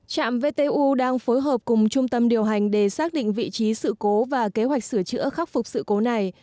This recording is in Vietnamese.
trạm vtu đang phối hợp cùng trung tâm điều hành để xác định vị trí sự cố và kế hoạch sửa chữa khắc phục sự cố này